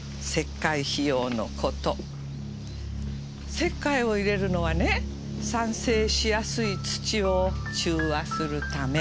石灰を入れるのはね酸性しやすい土を中和するため。